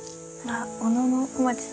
小野小町さん。